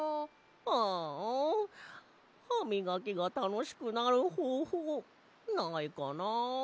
ああハミガキがたのしくなるほうほうないかな。